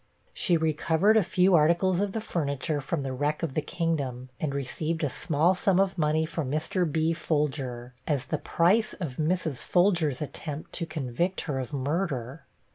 She recovered a few articles of the furniture from the wreck of the kingdom, and received a small sum of money from Mr. B. Folger, as the price of Mrs. Folger's attempt to convict her of murder.